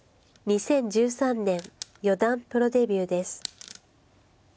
２０１３年四段プロデビューです。